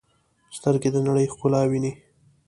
سترګې د نړۍ ښکلا ویني.